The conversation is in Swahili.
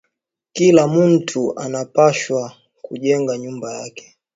Kila muntu ana pashwa ku jenga nyumba yake